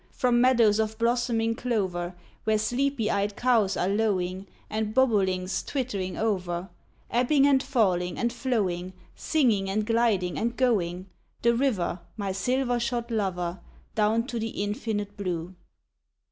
From meadows of blossoming clover, Where sleepy eyed cows are lowing, And bobolinks twittering over, Ebbing and falling and flowing Singing and gliding and going The river my silver shod lover, Down to the infinite blue.